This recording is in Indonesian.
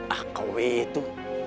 ah kau itu